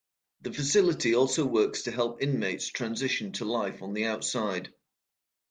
The facility also works to help inmates transition to life on the outside.